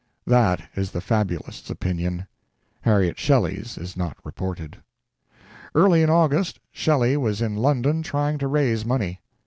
That is the fabulist's opinion Harriet Shelley's is not reported. Early in August, Shelley was in London trying to raise money.